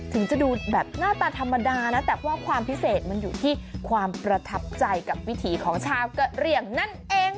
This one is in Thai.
ถึงจะดูแบบหน้าตาธรรมดานะแต่ว่าความพิเศษมันอยู่ที่ความประทับใจกับวิถีของชาวกะเหลี่ยงนั่นเอง